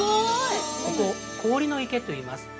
◆ここ、氷の池といいます。